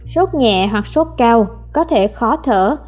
sốt nhẹ hoặc sốt cao có thể khó thở